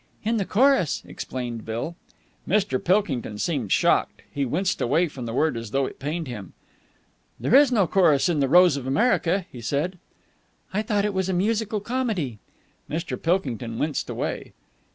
"In the chorus," explained Jill. Mr. Pilkington seemed shocked. He winced away from the word as though it pained him. "There is no chorus in 'The Rose of America,'" he said. "I thought it was a musical comedy." Mr. Pilkington winced again.